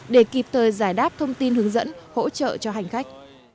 để kịp thời giải đáp thông tin hướng dẫn hỗ trợ cho hành khách